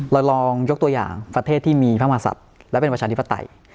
เราลองยกตัวอย่างประเทศที่มีพระมหาศัตริย์และเป็นประชาธิปไตย